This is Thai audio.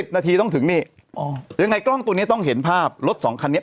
นาทีต้องถึงนี่ยังไงกล้องตัวนี้ต้องเห็นภาพรถ๒คันนี้